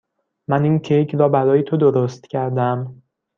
من این کیک را برای تو درست کردم.